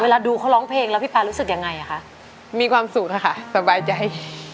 ดูเขาร้องเพลงแล้วพี่ปลารู้สึกยังไงคะมีความสุขค่ะสบายใจ